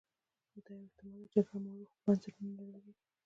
دا یو احتما ل دی چې جګړه مارو بنسټونه نړولي وي.